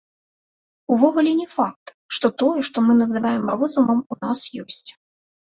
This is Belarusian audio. Увогуле не факт, што тое, што мы называем розумам, у нас ёсць.